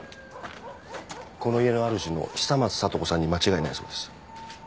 この家のあるじの久松聡子さんに間違いないそうです。